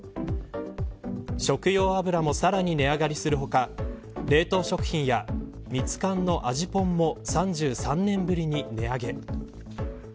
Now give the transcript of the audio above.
食用油もさらに値上がりする他冷凍食品やミツカンの味ぽんも３３年ぶりに値上げ。